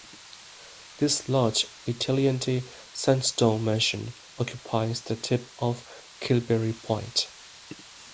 This large, Italianate, sandstone mansion occupies the tip of Kirribilli Point.